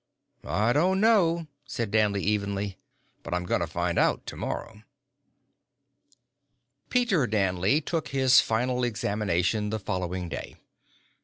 "I don't know," said Danley evenly. "But I'm going to find out tomorrow." Peter Danley took his final examination the following day.